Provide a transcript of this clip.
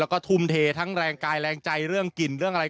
แล้วก็ทุ่มเททั้งแรงกายแรงใจเรื่องกินเรื่องอะไร